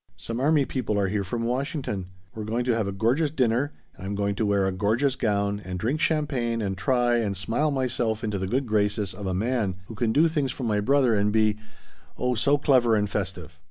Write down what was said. Some army people are here from Washington. We're going to have a gorgeous dinner, and I'm going to wear a gorgeous gown and drink champagne and try and smile myself into the good graces of a man who can do things for my brother and be oh so clever and festive."